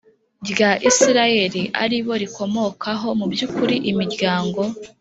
Rya isirayeli ari bo rikomokaho mu by ukuri imiryango